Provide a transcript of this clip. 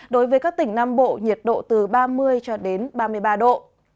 đối với các tỉnh nam bộ nhiệt độ từ ba mươi cho đến ba mươi ba độ